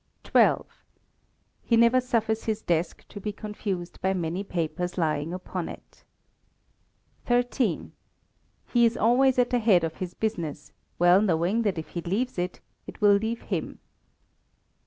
xii. He never suffers his desk to be confused by many papers lying upon it. xiii. He is always at the head of his business, well knowing that if he leaves it, it will leave him.